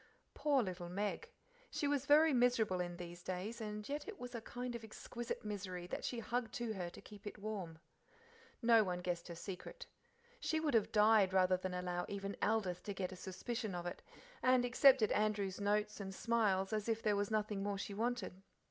Poor little Meg! She was very miserable in these days, and yet it was a kind of exquisite misery that she hugged to her to keep it warm. No one guessed her secret. She would have died rather than allow even Aldith to get a suspicion of it, and accepted Andrew's notes and smiles as if there was nothing more she wanted.